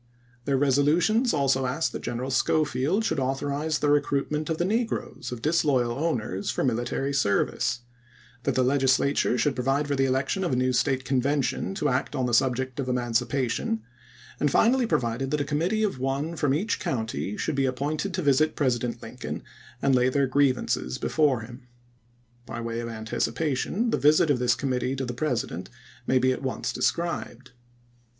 Their resolutions also asked that General Schofield should 214 , ABRAHAM LINCOLN CHAP. VIII. authorize the recruitment of the negroes of disloyal owners for military service ; that the Legislature should provide for the election of a new State Con vention to act on the subject of emancipation ; and finally provided that a committee of one from each ctciop* county should be appointed to visit President pSss^^esli. Lincoln and lay their grievances before him. By way of anticipation the Yisit of this committee to the President may be at once described.